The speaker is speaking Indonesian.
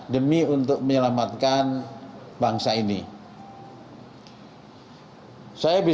demi untuk menyelamatkan bangsa ini